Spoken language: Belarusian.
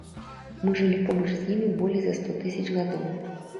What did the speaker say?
Мы жылі побач з імі болей за сто тысяч гадоў.